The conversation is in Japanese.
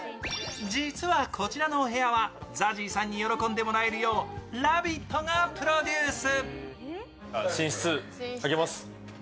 実は、こちらのお部屋はＺＡＺＹさんに喜んでもらえるよう、「ラヴィット！」がプロデュース。